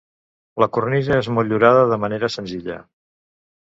La cornisa és motllurada de manera senzilla.